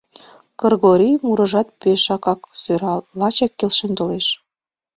Кыргорийын мурыжат пешакак сӧрал, лачак келшен толеш: